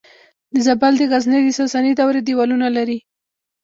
د زابل د غزنیې د ساساني دورې دیوالونه لري